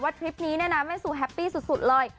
วันนี้แม่นซูแฮปปี้สุดเลย